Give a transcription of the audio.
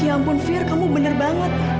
ya ampun fear kamu bener banget